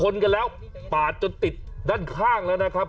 มันเกือบชนรถตู้หน่อยเมื่อกี้